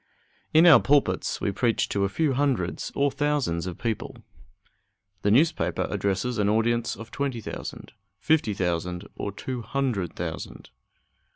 In our pulpits we preach to a few hundreds or thousands of people; the newspaper addresses an audience of twenty thousand, fifty thousand, or two hundred thousand.